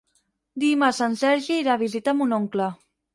Dimarts en Sergi irà a visitar mon oncle.